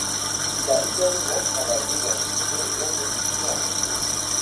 Il a également travaillé dans une maison d'édition à Tokyo.